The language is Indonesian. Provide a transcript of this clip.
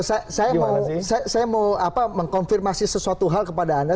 saya mau mengkonfirmasi sesuatu hal kepada anda